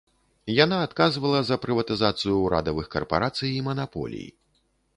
Яна адказвала за прыватызацыю ўрадавых карпарацый і манаполій.